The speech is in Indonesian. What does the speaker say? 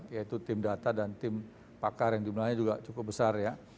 yaitu tim data dan tim pakar yang jumlahnya juga cukup besar ya